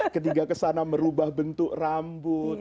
ketika kesana merubah bentuk rambut